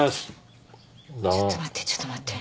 ちょっと待って。